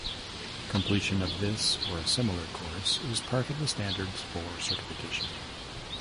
Completion of this, or a similar course, is part of the standards for certification.